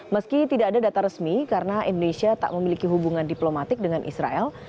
meski tidak ada data resmi karena indonesia tak memiliki hubungan diplomatik dengan israel